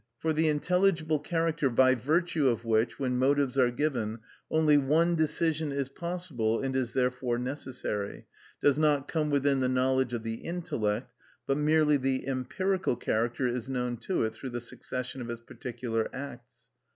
For the intelligible character, by virtue of which, when motives are given, only one decision is possible and is therefore necessary, does not come within the knowledge of the intellect, but merely the empirical character is known to it through the succession of its particular acts.